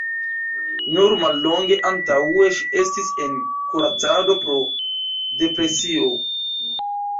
Nur mallonge antaŭe ŝi estis en kuracado pro depresio.